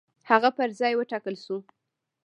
هغه پر ځای وټاکل شو.